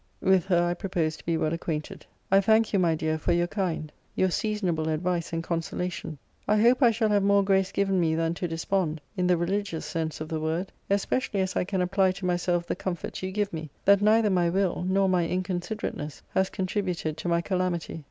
With her I propose to be well acquainted. I thank you, my dear, for your kind, your seasonable advice and consolation. I hope I shall have more grace given me than to despond, in the religious sense of the word: especially as I can apply to myself the comfort you give me, that neither my will, nor my inconsiderateness, has contributed to my calamity.